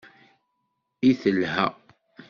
I telha!